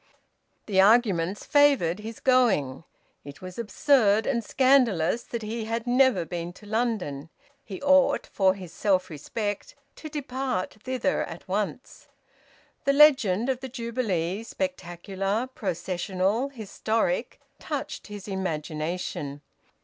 The arguments favoured his going. It was absurd and scandalous that he had never been to London: he ought for his self respect to depart thither at once. The legend of the Jubilee, spectacular, processional, historic, touched his imagination.